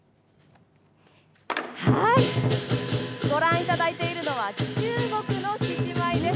ご覧いただいているのは、中国の獅子舞です。